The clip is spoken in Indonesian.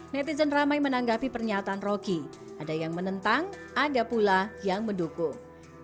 netizen ramai menanggapi pernyataan roky ada yang menentang ada pula yang mendukung